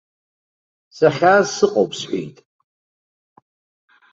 Сахьааз сыҟоуп, сҳәеит.